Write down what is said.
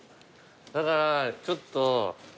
だからちょっと。